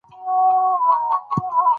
او له پاسه د ګیدړ په تماشې سو